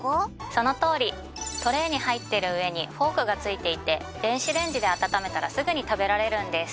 そのとおりトレイに入っているうえにフォークがついていて電子レンジであたためたらすぐに食べられるんです